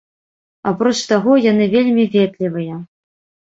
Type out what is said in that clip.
Апроч таго, яны вельмі ветлівыя.